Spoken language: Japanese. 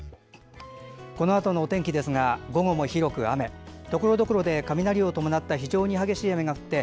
このあとのお天気ですが午後も広く雨ところどころで雷を伴った非常に激しい雨が降って